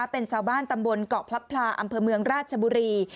เป็นชาวบ้านตำบลเกาะพลับพลาอำเภอเมืองราชบุรี